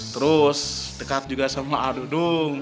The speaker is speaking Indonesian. terus dekat juga sama aduh dung